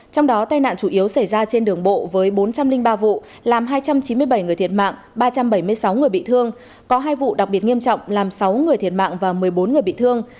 trong đó tai nạn chủ yếu xảy ra trên đường bộ với bốn trăm linh ba vụ làm hai trăm chín mươi bảy người thiệt mạng ba trăm bảy mươi sáu người bị thương có hai vụ đặc biệt nghiêm trọng làm sáu người thiệt mạng và một mươi bốn người bị thương